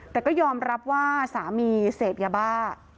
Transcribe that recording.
แต่ก็ยอมรับว่าสามีเสพยาบ้า